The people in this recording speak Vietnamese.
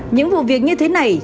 những vụ việc như thế này